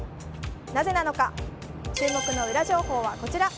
なぜなのか注目のウラ情報はこちら。